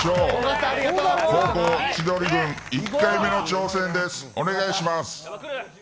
後攻、千鳥軍１回目の挑戦です。